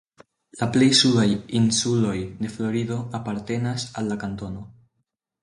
La plej sudaj insuloj de Florido apartenas al la kantono.